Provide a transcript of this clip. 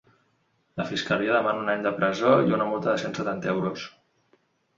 La fiscalia demana un any de presó i una multa de cent setanta euros.